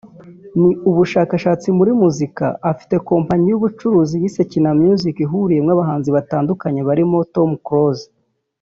ni ubushabitsi muri muzika afite kompanyi y’ubucuruzi yise Kina Music ihuriyemo abahanzi batandukanye barimo Tom Close